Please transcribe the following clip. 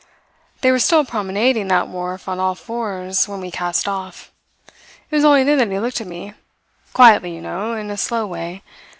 They were still promenading that wharf on all fours when we cast off. It was only then that he looked at me quietly, you know; in a slow way.